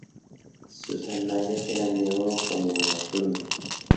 Sus sandalias eran de oro, como la túnica.